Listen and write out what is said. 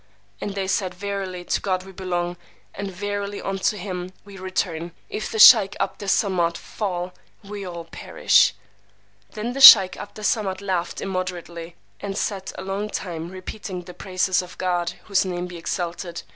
And they said, Verily to God we belong, and verily unto him we return! If the sheykh 'Abd Es Samad fall, we all perish! Then the sheykh 'Abd Es Samad laughed immoderately, and sat a long time repeating the praises of God, (whose name be exalted!)